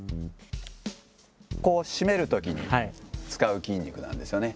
ここを閉めるときに使う筋肉なんですよね。